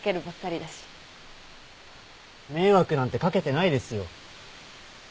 迷惑なんて掛けてないですよ。